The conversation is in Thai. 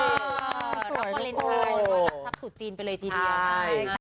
สวยทุกคน